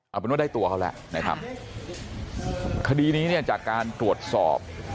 เอาเป็นว่าได้ตัวเขาแล้วนะครับคดีนี้เนี่ยจากการตรวจสอบ